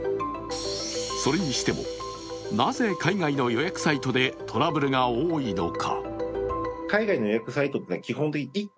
それにしてもなぜ海外の予約サイトでトラブルが多いのか。